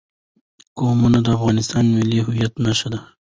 قومونه د افغانستان د ملي هویت نښه ده.